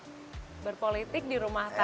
berpolitik di rumah tangga